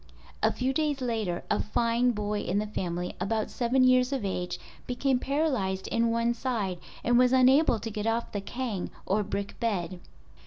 A few days later a fine boy in the family, about seven years of age, became paralyzed in one side and was unable to get off the kang (or brick bed).